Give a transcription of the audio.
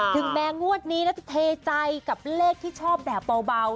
ถึงแม้งวดนี้นะจะเทใจกับเลขที่ชอบแบบเบา